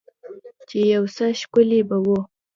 چې يو څه ښکلي به وو.